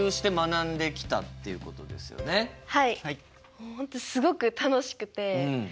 もう本当すごく楽しくて。